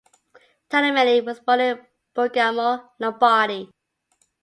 Taramelli was born in Bergamo, Lombardy.